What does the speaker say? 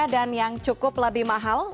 dan yang cukup lebih mahal